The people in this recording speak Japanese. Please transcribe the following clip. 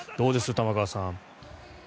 玉川さん。